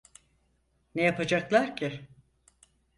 Ne yapacaklar ki?